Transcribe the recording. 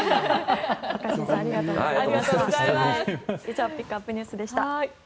若新さんありがとうございました。